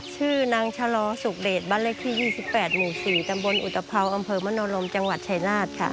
ชื่อนางชะลอสุขเดชบรรเล็กที่๒๘หมู่๔ดำบลอุตพาทอามเตอร์มันนอลมจังหวัดชายนาฏค่ะ